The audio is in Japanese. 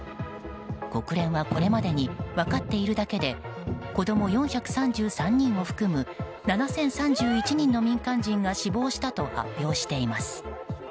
国連はこれまでに分かっているだけで子供４３３人を含む７０３１人の民間人が死亡したと発表しています。